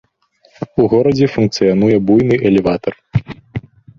У горадзе функцыянуе буйны элеватар.